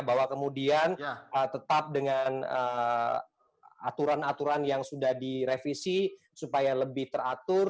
bahwa kemudian tetap dengan aturan aturan yang sudah direvisi supaya lebih teratur